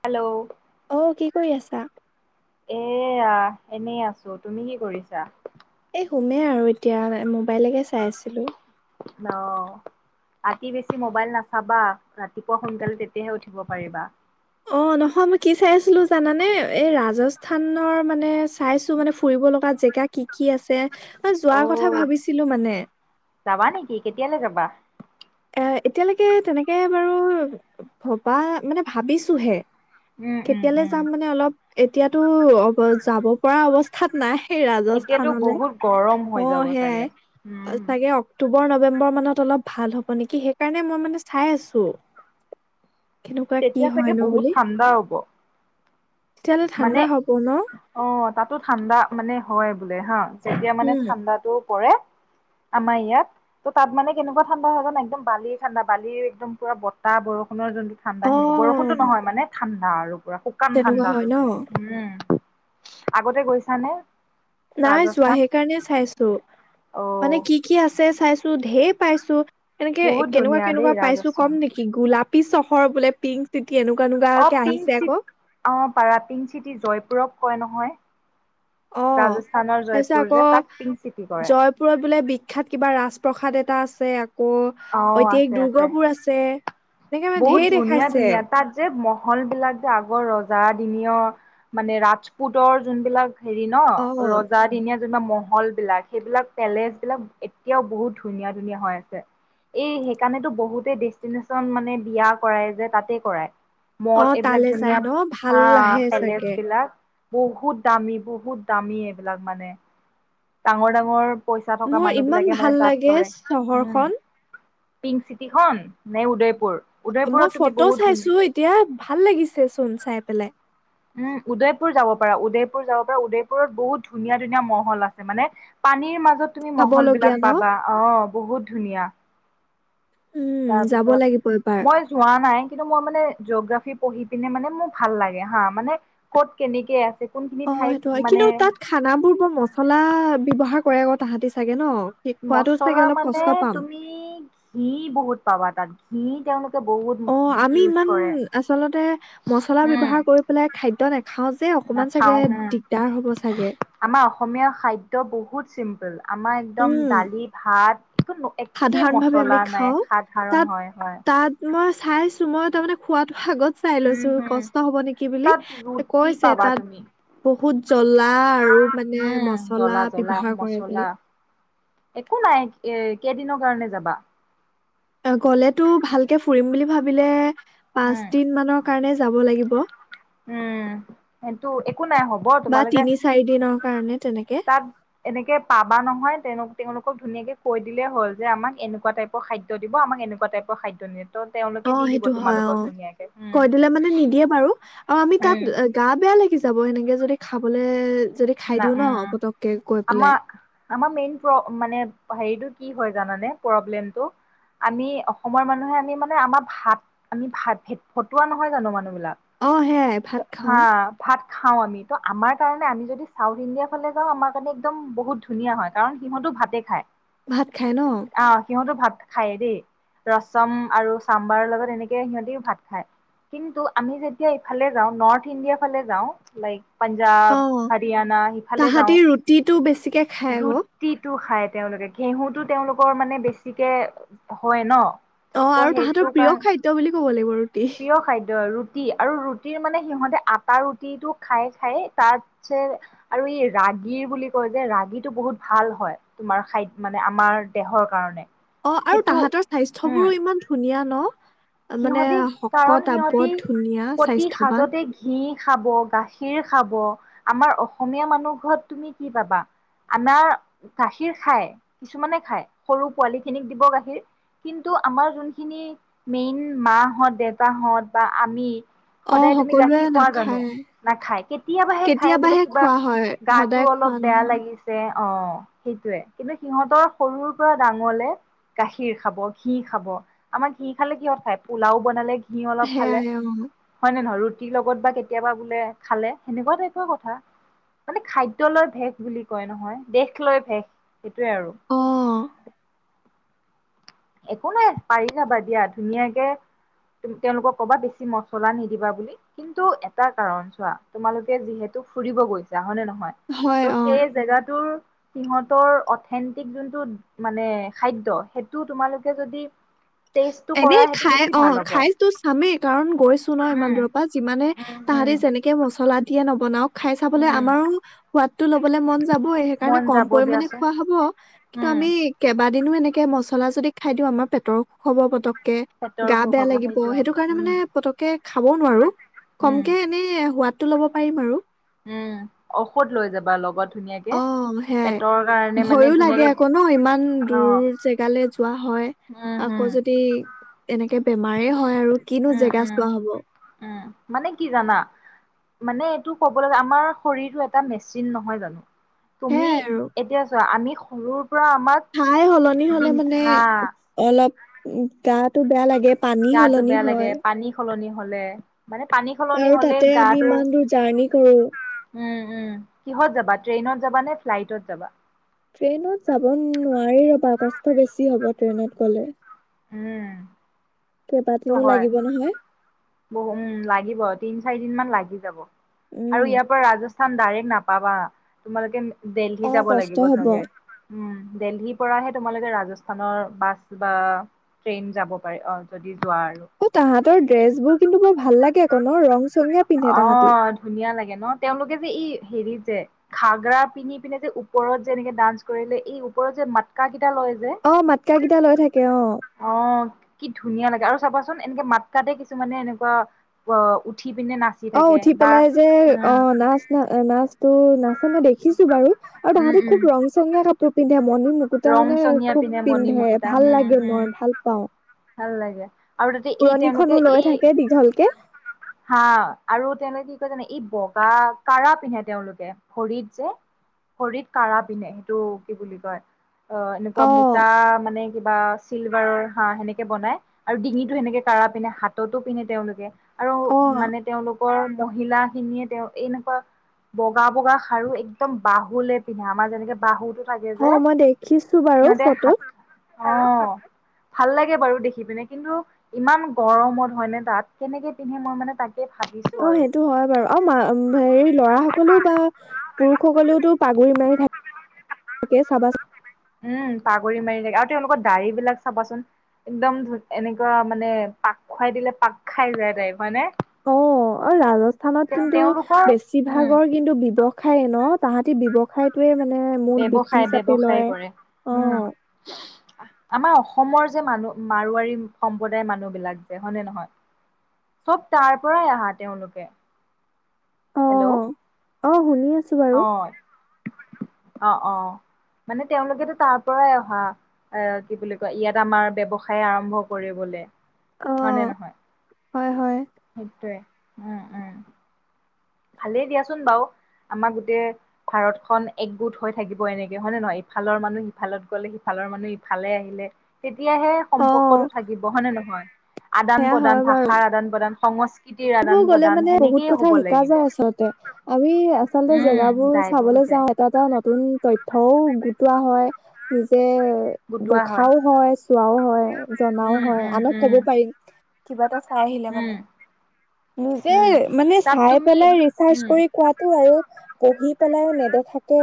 Hello অ কি কৰি আছা? এয়া এনেই আছো তুমি কি কৰিছা? এই সোমে আৰু এতিয়া মোবাইলকে চাই আছিলো। অ', ৰাতি বেছি মোবাইল নাচাবা, ৰাতিপুৱা সোনকালে তেতিয়াহে উঠিব পাৰিবা। অ' নহয় মই কি চাই আছিলো জানানে এই ৰাজস্থানৰ মানে চাইছো মানে ফুৰিব লগা জেগাত কি-কি আছে? অ যোৱাৰ কথা ভাবিছিলো মানে। যাবা নেকি কেতিয়ালৈ যাবা? এ' এতিয়ালৈকে তেনেকে বাৰু ভবা, মানে ভাবিছোহে। উম উম কেতিয়ালৈ উম যাম মানে অলপ এতিয়াতো অ' যাব পৰা অৱস্থাত নাই। সেই এতিয়াতো ৰাজস্থানলে। বহুত গৰম হৈ অ', যাব সেয়াই, চাগে উম। চাগে অক্টোব [unintelligible] নৱেম্বৰ মানত অলপ ভাল হ'ব। নিকি, সেইকাৰণে মই মানে চাই আছো। কেনেকুৱা কি তেতিয়া চাগে হয়নো বহুত বুলি ঠাণ্ডা হ'ব। তেতিয়াহ'লে মানে, ঠাণ্ডা হ'ব ন? অ', তাতো ঠাণ্ডা মানে হয় বোলে হা। যেতিয়া মানে উম। ঠাণ্ডাতো পৰে। আমাৰ ইয়াত। ত' তাত মানে কেনেকুৱা ঠাণ্ডা হয় জানা, একদম বালিৰ ঠাণ্ডা, বালিৰ একদম পুৰা বতাহ বৰষুণৰ যোনটো ঠাণ্ডা সেনেকুৱা, অ', বৰষুণটো নহয় মানে ঠাণ [unintelligible] আৰু। পুৰা শুকান তেনেকুৱা ঠাণ্ডা হয় ন? উম। আগতে গৈছা নে? নাই যোৱা সেইকাৰণে চাইছো। মানে অ' কি কি আছে চাইছো, ধেৰ পাইছো। এনেকে বহুত কেনেকুৱা ধুনীয়া দেই কেনেকুৱা পাইছো কম ৰাজস্থান নেকি, গোলাপ [unintelligible] চহৰ বোলে পিংক চিট অ', পিংক চিট, অ', পাৰা পিংক চিটি জয়পুৰক কয় ন হয়। অ', তাৰ পিছত আকৌ, তাক পিংক চিটি কৰে জয়পুৰত বোলে বিখ্যাত কিবা ৰাজপ্ৰসাদ এটা [unintelligible] আছে। অ [unintelligible] ঐতিহাহিক আছে দুৰ্গবোৰ আছে। এনেকে মানে বহুত ঢেৰ ধুনীয়া দেখাইছে। ধুনীয়া। তাত যে মহ মহল বিলাক যে আগৰ ৰজা দিনীয়, মানে ৰাজপুতৰ যোনবিলাক হেৰি ন', অ', ৰজাদিনীয়া যেনিবা মহ হল বিলাক, সেইবিলাক পেলেচ বিলাক এতিয়াও বহুত ধুনীয়া ধুনীয়া হৈ আছে। এই সেইকাৰণেতো বহুতে ডেষ্টিনেচন মানে বিয়া কৰাই যে, তাতে কৰাই। মল, অ', এইবিলাক তালে যায় ধুনীয়া, ন ভাল হা, আহে পেলেচ চাগে। বিলাক বহুত দামী, বহুত দামী এইবিলাক মানে ডাঙৰ ডাঙৰ পইচা থকা মোৰ মানুহ ইমান বিলাকে মানে ভাল তাত লাগে, কৰে উম চহৰখন। পিংক চিটিখন নে উদয়প মই ফটো চাইছো এতিয়া, ভাল লাগিছে চোন চাই পেলাই। উম উদয়পুৰ যাব পাৰা, উদয়পুৰ যাব পাৰা, উদয়পুৰত বহুত ধুনীয়া ধুনীয়া মহল আছে মানে, পানীৰ মাজ জয় তুমি খাব মহল লগীয়া বিলাক ন? পাবা। অ' বহুত ধুনীয়া উম, তাৰ যাব পিছত, লাগিব এবাৰ। মই যোৱা নাই কিন্তু মই মানে জিঅ'গ্ৰাফি পঢ়ি পিনে মানে মোৰ ভাল লাগে হাঁ, মানে ক'ত কেনেকে আছে কোনখিনি অ' ঠাইত সেইটো হয়, মানে কিন্তু তাত খানা বোৰ বৰ মছলা ব্যৱহাৰ কৰে আকৌ তাহাঁতি চাগে ন? কি খোৱাতো চাগে মচলা অলপ মানে কষ্ট পাম। তুমি ঘিঁ বহুত পাবা তাত। ঘিঁ তেওঁলোক অ' আমি ইমান আচলতে মছলা ব্যৱহাৰ কৰি পেলাই খাদ্য নে নাখাওঁ হু, চাগে। আমাৰ অসমীয়া খাদ্য বহুত চিম্ আমাৰ একদম উম, দালি, ভাত একো একে সাধাৰণ ভাৱে আমি মচলা নাই, খাওঁ সাধাৰণ হয়, হয়। খাইছোঁ, মই তাৰ মানে খোৱাতো আগত চাই উম লৈছো হম কষ্ট হব নেকি বুলি, তাত ৰুটি কৈছে পাবা তাত তুমি বহু ভূত জ জলা আৰু মানে উম মচলা জ্বলা জ্বলা ব্যৱহাৰ কৰে বুলি। মছলা একো নাই এ কেইদিনৰ কাৰণে যাবা? অ' গ'লেতো ভালকে ফুৰিম বুলি ভাবিলে পাঁচ উম দিন মানৰ কাৰণে যাব লাগিব। উম, সেইটো একো নাই হ'ব বা তোমালোকে তিনি চাৰি দিনৰ কাৰণে, তেনেকে। তাত এনেকে পাবা নহয়, তেওঁ তেওঁলোকক ধুনীয়াকে কৈ দিলেই হ'ল, যে আমাক এনেকুৱা টাইপৰ খাদ্য দিব, আমাক এনেকুৱা টাইপৰ খাদ্য নিদ অ' সেইটো হয়, অ'। উম কৈ দিলে মানে নিদিয়ে বাৰু অ, আমি তাত উম গা বেয়া লাগি যা- ব, এনেকে যদি খাবলে যদি খাই না দিও ন উম। পতককে গৈ আমা, পেলাই আমাৰ মেইন প্ৰ, মানে হেৰিতোট কি হয় জানানে প্ৰব্লেমটো? আমি অসমৰ মানুহে আমি মানে আমাৰ ভাত, আমি ভাত ভিত, ভটোৱা নহয় জানোঁ মানুহ- অহ, সেয়াই ভাত খাওঁ। ভাত খাওঁ আমি। ত আমাৰ কাৰণে আমি যদি চাউথ ইণ্ডিয়াৰ ফালে যাওঁ আমাৰ কাৰণে একদম বহুত ধুনীয়া হয়, কাৰণ সিহঁতেও ভাতে খায়। ভাত খায় ন? আহ সিহঁতো খায় দেই, ৰচম আৰু চাম্বাৰৰ লগত এনেকে সিহঁতিও ভাত খায়। কিন্তু আমি যেতিয়া ইফালে যাওঁ নৰ্থ ইণ্ডিয়া ফালে যাওঁ, লাইক- পঞ্জাৱ, অ হাৰ- তাহাঁতি ৰুটিটো বেছিকে খাই ও। অ খাই তেওঁলোকে। ঘেঁহুতো তেওঁলোকৰ মানে বেছিকে হয় ন। অহ, ত' আৰু তাহাঁতৰ সেইটো প্ৰিয় কাৰণ খাদ্য বুলি ক'ব লাগিব ৰুটি। প্ৰিয় খাদ্য ৰুটি, আৰু ৰুটিৰ মানে সিহঁতে আটাৰ ৰুটিটো খায়, খায়। তাত- চে আৰু ই ৰাগী বুলি কয় যে, ৰাগীটো বহুত ভাল হয়। তোমাৰ খাইদ মানে আমাৰ দেহৰ কাৰণে। অহ, আৰু সেইটো তাহাঁতৰ উম স্বাস্থ্যবোৰো ইমান ধুনীয়া। ন? মানে সিহঁতি, কাৰণ শকত আৱত সিহতি ধুনীয়া প্ৰতি স্বাস্থ্যৱান সাজতে ঘিউ খাব গাখীৰ- খাব। আমাৰ অসমীয়া মানুহ ঘৰত তুমি কি পাবা? আমাৰ গাখীৰ খাই, কিছুমানে খাই। সৰু পোৱালি খিনিক দিব গাখীৰ। কিন্তু আমাৰ যোনখিনি- মেইন মা-হঁত, দেতা-হঁত বা আমি। অ সদায় তুমি সকলোৱে গাখীৰ খোৱা জানোঁ? নাখায় নাখায়, কেতিয়াবাহে খাই। বোলোঁ কেতিয়াবাহে কিবা, খোৱা হয় গাটো সদায় অলপ খোৱা বেয়া নহয় লাগিছে। অ সেইটোৱে। কিন্তু সিহঁতৰ সৰুৰ পৰা ডাঙৰলে গাখীৰ খাব, ঘিউ খাব, আমাৰ ঘিউ- খালে কিয় খায়? পোলাও বনালে- ঘিউ অলপ খালে। সেয়াই অ হয় নে নহয়? ৰু- ৰুটীৰ লগত বা কেতিয়াবা বোলে খালে, সেনেকুৱা টাইপৰ কথা। মানে 'খাদ্যয় লৈ ভেষ' বুলি কয় নহয়, 'দেশ লৈ ভেষ'। সেইটোৱে আৰু। অ একো নাই, পাৰি যাবা দিয়া। ধুনীয়াকে তুম তেওঁলোকক ক'বা- বেছি মছলা নিদিবা বুলি। কিন্তু এটা কাৰণ চোৱা, তোমালোকে যিহেতু ফুৰিব গৈছা, হয়নে নহ- হয়? ত সেই জেগাটোৰ- সিহঁতৰ অথেন্তিক যোনটো মানে খাদ্য, সেই- টো তোমালোকে যদি- এনে কৰা সেইটো খাই বেছি অহ, ভাল হ'ব খাইটো চামেই, কাৰণ গৈছোঁ ন ইমান উম, দূৰৰ পৰা। যিমানে উম, তাহাঁতি উম, যেনেকে মছলা- দিয়ে নবনাওক। খাই চাবলে উম, আমাৰো সোৱাদটো লবলে মন যাবই, সেইকাৰণে মন কম যাব পৰিমণে দিয়াচোন। খোৱা হ'ব। কিন্তু উম, আমি কেবাত- দিনো এনেকে মছলা যদি খাই দিওঁ, আমাৰ পেটৰ- হ'ব পতক- কে। পেটৰ গা অসুখ বেয়া হ'ব লাগিব। সেইটোৱে। সেইটো কাৰণে উম, মানে পতককে- খাবও নোৱাৰোঁ। উম, কমকে এনেই হোৱাত টো ল'ব পাৰিম আৰু। উম, ঔষধ লৈ যাবা লগত। ধুনীয়াকে। অ, সেয়াই। পেটৰ কাৰণে মানে ভয়ো লাগে ধুনীয়াকে আকৌ ন ইমান দূৰ অ', জেগালৈ যোৱা হয় উম, আকৌ হম, যদি এনেকে বেমাৰে হয় আৰু কিনো উম, জেগা উম, চোৱা হ'ব। উম, মানে কি জানা মানে এইটো ক'ব আমাৰ শৰীৰটো এটা মেচিন নহয় জানো। তুমি সেয়াই আৰু এতিয়া চোৱা আমি সৰুৰ পৰা আমাক ঠাই সলনি হলে মানে অলপ [unintelligible] গাটো বেয়া লাগে। পানী গাটো সলনি বেয়া লাগে হয় পানী সলনি হ'লে মানে পানী সলনি আৰু হ'লে তাতে আমি গাটো ইমান দূৰ জাৰ্নী কৰো। উম উম, কিহত যাবা ট্ৰেইনত যাবা নে, ফ্লাইটত যাবা? ট্ৰেইনত যাব নোৱাৰি ৰবা কষ্ট বেছি হ'ব ট্ৰেইনত গ'লে। উম। কেইবাদিনো লাগিব নহয়। বহো উম, লাগিব তিন চাৰি দিন মান লাগি যাব। আৰু উম ইয়াৰ পৰা ৰাজাস ডাইৰেক নাপাবা তোমালোকে দিল্লি অ যাব কষ্ট লাগিব হব চাগে, উম। দিল্লী পৰাহে তোমালোকে ৰাজস্থানৰ বাছ বা ট্ৰেইন যাব পাৰে অ, যদি যোৱা আৰু অঁ, তাহঁতৰ ড্ৰেছবোৰ কিন্তু বৰ ভাল লাগে আকৌ ন ৰং চঙীয়া পিন্ধে তাহাঁতি অঁ, ধুনীয়া লাগে ন তেওঁলোকে যে ই হেৰি যে ঘাগৰা পিন্ধি পিনে যে ওপৰত যে এনেকে ডান্স কৰিলে এই ওপৰত যে মাতকা অঁ, মাতকা ঘিটা লৈ থাকে অঁ। অ, কি ধুনীয়া লাগে আৰু চাবাচোন এনেকে মাতকাতে কিছুমানে এনেকুৱা অ, উঠি পিনে নাচি অঁ', থাকে উঠি বা পেলাই যে অ, উম, নাচ না নাচোটো নাচে মই দেখিছো বাৰু, আৰু উম, তাহাঁতি উম, খুব ৰং চঙীয়া কাপোৰ [unintelligible] মণি মুকুটা ৰং মানে চঙীয়া খুব পিনে মণি পিন্ধে মুকুতা হম, ভাল লাগে হম, মই ভাল পাওঁ। ভাল লাগে। আৰু তাতে এই পুৰণিখনো তেওঁলোকে লৈ এই, থাকে দীঘলকে হা আৰু তেওঁলোকে [unintelligible] জানা এই বগা ক়াৰা পিন্ধে তেওঁলোকে ভৰিত যে ভৰিত ক়াৰা পিন্ধে সেইটো কি বুলি কয় অঁ, এনেকুৱা অ মোটা মানে কিবা চিলভাৰৰ হাঁহ সেনেকে বনাই, আৰু ডিঙিতটো সেনেকে ক়াৰা পিন্ধে, হাততো পিন্ধে তেওঁলোকে। আৰু অ মানে তেওঁলোক অঁ মহিলা খিনিয়ে তেওঁ এনেকুৱা বগা বগা খাৰু একদম বাহুলে পিন্ধে। আমাৰ যেনেকে বাহুটোত লাগে যে খিছো বাৰু সিহঁতে ফটোত হাত অ' ভাল লাগে বাৰু দেখি পিনে কিন্তু ইমান গৰমত হয় নে তাত কেনেকে পিন্ধে মই মানে তাকে ভাবিছো অ' আৰু সেইটো হয় বাৰু আৰু মা হেৰি লৰা সকলেও বা পুৰুষসকলেওতো পাগুৰি মাৰি থাকে চাবাচোন উম পাগুৰি মাৰি আৰু তেওঁলোকৰ দা়ৰি বিলাক চাবাচোন একদম এনেকুৱা মানে পাক খুৱাই দিলে পাক খাই যায়। টাইপ হয় নে? অ' ৰাজস্থানত কিন্তু তেওঁলোকৰ উম বেছিভাগৰ কিন্তু ব্যৱস সায় ন তাহাঁতি ব্যৱসায়টোৱে মা ব্যৱসায় ব্যৱসায় কৰে অ উ'ম। আমাৰ অস অসমৰ যে মানুহ মাৰুৱাৰী সম্প্ৰদায়ৰ মানুহবিলাক যে হয়নে নহয় চব তাৰ পৰাই আহা তেওঁলোকে। হেল্ল' অ' অ' শুনি আছো। বাৰু অ'। অ' অ' মানে তেওঁলোকেতো তাৰ পৰাই অহা এ কি বুলি কয় ইয়াত আমাৰ ব্যৱসায় আৰম্ভ কৰিবলে। হয় নে অ', নহয়? হয় -হয়। সেইটোৱে উ'ম, উ'ম। ভালেই দিয়াচোন বাৰো আমাৰ গোটেই ভাৰতখন একগোট হৈ থাকিব এনেকে হয়নে নহয়। ইফালৰ মানুহ সিফালত গলে সিফালৰ মানুহ ইফালে আহিলে তেতিয়াহে অ', সম্পৰ্কতটো থাকিব হয় নে নহয়। আদান সেয়া হয় প্ৰদান বাৰু ভাষাৰ আদান প্ৰদান সং স্কৃতিৰ এইবোৰ আদান গ'লে প্ৰদান মানে বহুত সেনেকেইয়ে কথা হ'ব শিকা লাগিব। যায় আচলতে আমি আচলতে উম জেগাবোৰ যায় বহুত চাবলৈ যায় যাওঁ। এটা এটা নতুন তথ থ্যও গোটোৱা হয় নিজে দেখাওঁ হয়। চোৱাও হয় জনাওঁ উম হয় উম আনক উম ক'ব পাৰিম। কিবা এটা চাই আহিলে উম মানে। নিজে উম মানে তাত চাই তুমি পেলাই ৰিচাৰ্চ উম কৰি কোৱাটো আৰু পঢ়ি পেলাই নেদেখাকে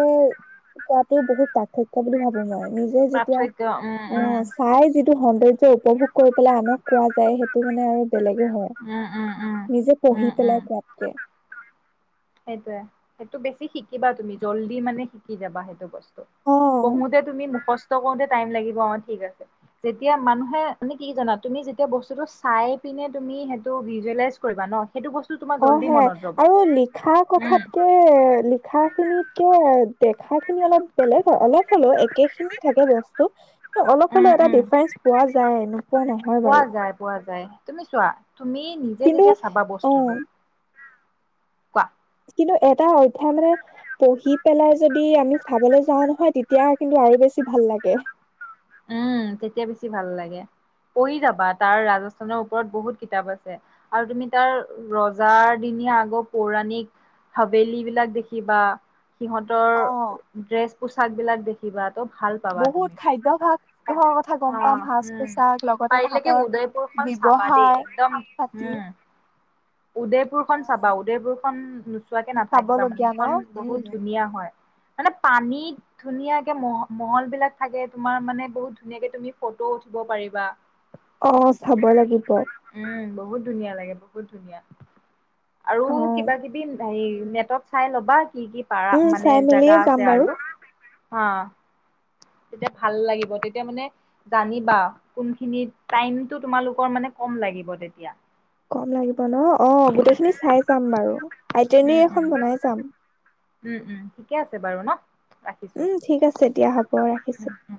কোৱাটো বহুত পাৰ্থক্য বুলি ভাবো মই। নিজে যেতিয়া পাৰ্থক্য উম উম অ' চাই যেতিয়া সৌন্দৰ্য উপভোগ কৰি পেলাই আনক কোৱা যায়। সেইটো মানে আৰু বেলেগে হয়। উম উম উম নিজে পঢ়ি পেলাই কোঁৱাতকে। সেইটোৱে, সেইটো বেছি শিকিবা তুমি জল্দি মানে শিকি যাবা, সেইটো বস অ পঢ়োতে তুমি মুখস স্থ কৰোতে টাইম লাগিব অঁ ঠিক আছে যেতিয়া মানুহে মানে কি জানা তুমি যেতিয়া বস্তুটো চাই পিনে তুমি সেইটো ভিজুৱেলাইজ কৰিবা ন। সেইটো বস্তু তোমাৰ অ' জল্দি সেয়াই, মনত ৰ'ব। আৰু লিখা উম কথাতকে লিখা খা খিনিতকে দেখা খিনি অলপ বেলেগ হয়। অলপ হ'লেও একে খিনিয়ে থাকে বস্তু অলপ উম হ'লেও এটা উম ডিফাৰেঞ্চ পোৱা যায়, নোপোৱা নহয় পোৱা বাৰু। যায় পোৱা যায় তুমি চোৱা তুমি নিজে কিন্তু যেতিয়া চাবা অ বস্তুটো কোৱা। কিন্তু এটা অধ্যায় মানে পঢ়ি পেলাই যদি আমি চাবলৈ যাওঁ নহয় তেতিয়া কিন্তু আৰু বেছি ভাল লাগে। উম তেতিয়া বেছি ভাল লাগে, পঢ়ি যাবা তাৰ ৰাজস্থানৰ ওপৰত বহুত কিতাপ আছে। আৰু তুমি তাৰ ৰজাৰ দিনীয়া আগৰ পৌৰাণিক হাবেলী বিলাক দেখিবা সিহঁতৰ অ ড্ৰেছ পোছাক বিলাক দেখি কিবা বহুত খাদ্যাভাস ঘৰৰ কথা গম পাম, অ'। সাজ উম, পোছাক, লগতে পাৰিলেকে তাহাঁতৰ উদয়পুৰখন চাবা দেই ব্যৱহাৰ, পাতি উদেয়পুৰখন চাবা, উদেয়পুৰ [unintelligible] চোৱাকে নাথাকিবা মানে, চাবলগীয়া ন সেইখন বহুত উম। ধুনীয়া হয়। মানে পানীত ধুনীয়াকে মহ, মহল বিলাক থাকে তোমাৰ মানে বহুত ধুনীয়াকে তুমি ফটো উঠিব পাৰিবা। অ', চাব লাগিব। উম বহুত ধুনীয়া লাগে, বহুত ধুনীয়া আৰু কিবা কিবি হেৰি নেটত চাই ল'বা। কি, কি পাৰা উম মানে, চাই জেগা মেলিয়ে যাম আছে বাৰু আৰু হা, তেতিয়া ভাল লাগিব তেত তেতিয়া মানে জানিবা, কোনখিনি টাইমটো তোমালোকৰ মানে কম লাগিব তেতিয়া। কম লাগি ব, ন' অ', গোটেই খিনি চাই যাম বাৰু, উম আইটিনিএয়েৰ উম এখন বনাই যাম। উম, উম ঠিকে আছে বাৰু ন? ৰাখিছো উম, ঠিক আছে দিয়া হ'ব উম ৰাখিছোঁ। উম